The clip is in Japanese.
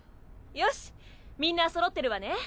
よしみんなそろってるわね。